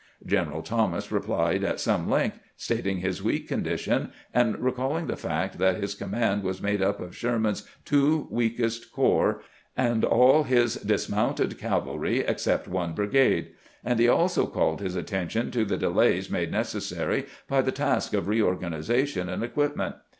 General Thomas replied at some length, stating his weak condition, and recalling the fact that his com mand was made up of Sherman's two weakest corps and all his dismounted cavalry except one brigade ; and he also called his attention to the delays made necessary by the task of reorganization and equipment.